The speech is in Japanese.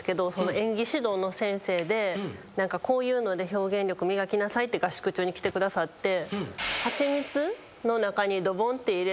こういうので表現力磨きなさいって合宿中に来てくださって。